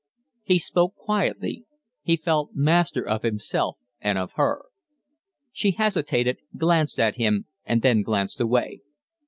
He spoke quietly. He felt master of himself and of her. She hesitated, glanced at him, and then glanced away.